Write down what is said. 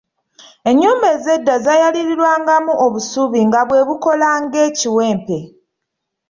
Ennyumba ez'edda zaayaliirirwangamu obusubi nga bwe bukola ng'ekiwempe.